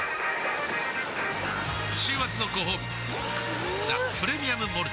週末のごほうび「ザ・プレミアム・モルツ」